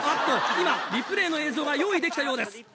今リプレイの映像が用意できたようです。